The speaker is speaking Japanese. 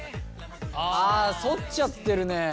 あ反っちゃってるね。